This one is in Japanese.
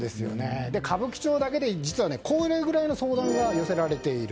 歌舞伎町だけで実はこれぐらいの相談が寄せられている。